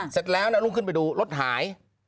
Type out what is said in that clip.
เสร็จแล้วลุกขึ้นไปดูรถหาย